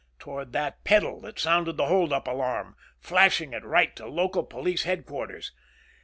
Toward that pedal that sounded the hold up alarm, flashing it right to local police headquarters.